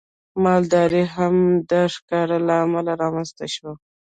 مالداري هم د ښکار له امله رامنځته شوه.